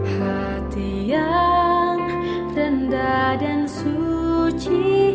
hati yang rendah dan suci